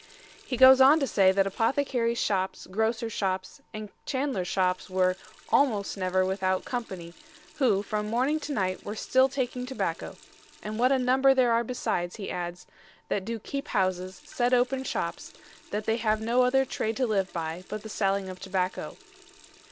He goes on to say that apothecaries' shops, grocers' shops, and chandlers' shops were (almost) never without company who from morning to night were still taking tobacco; and what a number there are besides, he adds, "that doe keepe houses, set open shoppes, that have no other trade to live by but by the selling of tobacco."